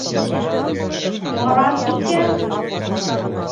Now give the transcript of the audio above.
- Харап икән.